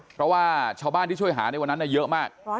เพราะว่าชาวบ้านที่ช่วยหาในวันนั้นเยอะมาก